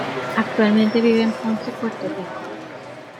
Actualmente vive en Ponce, Puerto Rico.